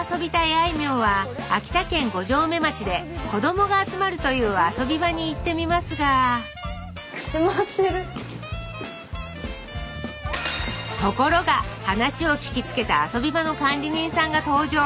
あいみょんは秋田県五城目町で子どもが集まるというあそび場に行ってみますがところが話を聞きつけたあそび場の管理人さんが登場。